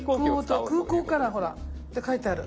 空港からほら書いてある。